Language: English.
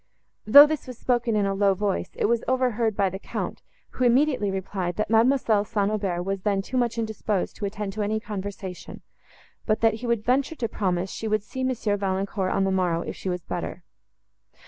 Though this was spoken in a low voice, it was overheard by the Count, who immediately replied, that Mademoiselle St. Aubert was then too much indisposed, to attend to any conversation, but that he would venture to promise she would see Monsieur Valancourt on the morrow, if she was better.